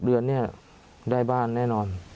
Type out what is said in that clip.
เดือนเนี่ยได้บ้านแน่นอน